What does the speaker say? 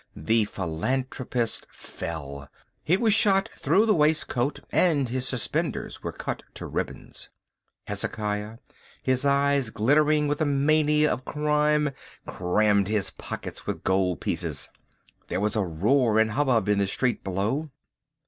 The philanthropist fell. He was shot through the waistcoat and his suspenders were cut to ribbons. Hezekiah, his eyes glittering with the mania of crime, crammed his pockets with gold pieces. There was a roar and hubbub in the street below.